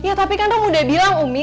ya tapi kan dong udah bilang umi